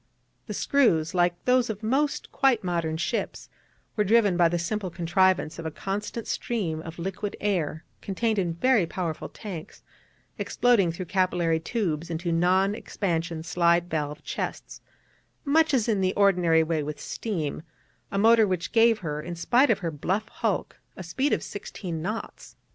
The screws, like those of most quite modern ships, were driven by the simple contrivance of a constant stream of liquid air, contained in very powerful tanks, exploding through capillary tubes into non expansion slide valve chests, much as in the ordinary way with steam: a motor which gave her, in spite of her bluff hulk, a speed of sixteen knots.